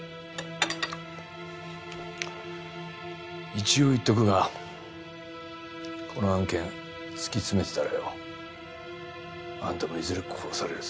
一応言っとくがこの案件突き詰めてたらよあんたもいずれ殺されるぞ。